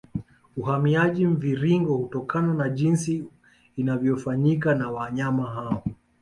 Uhamiaji Mviringo hutokana na jinsi inavyofanyika na wanyama hao